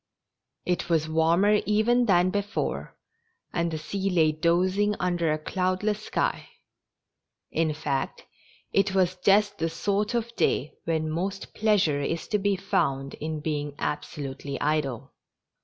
It was warmer even than before, and the ^ sea lay dozing under a cloudless sky ; in fact, it was just the sort of day when most pleasure is to be found in being abso lutely idle.